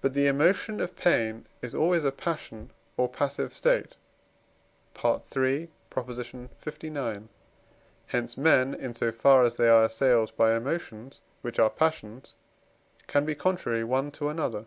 But the emotion of pain is always a passion or passive state (III. lix.); hence men, in so far as they are assailed by emotions which are passions, can be contrary one to another.